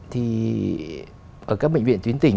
thì ở các bệnh viện tuyến tỉnh